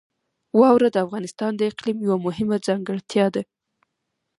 واوره د افغانستان د اقلیم یوه مهمه ځانګړتیا ده.